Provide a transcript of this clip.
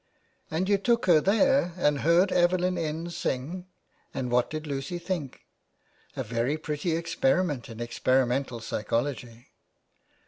" And you took her there and heard Evelyn Innes sing. And what did Lucy think ? A very pretty experiment in experimental psychology."